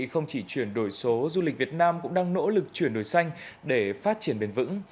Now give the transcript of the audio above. không chỉ chuyển đổi số du lịch việt nam cũng đang nỗ lực chuyển đổi xanh để phát triển bền vững